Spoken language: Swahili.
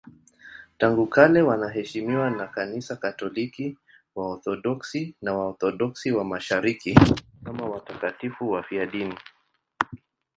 Tangu kale wanaheshimiwa na Kanisa Katoliki, Waorthodoksi na Waorthodoksi wa Mashariki kama watakatifu wafiadini.